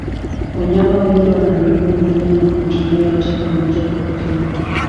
Wanyama wengi wana miguu minne na kuitumia yote pamoja kwa kutembea.